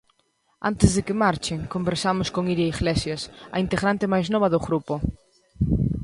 Antes de que marchen, conversamos con Iria Iglesias, a integrante máis nova do grupo.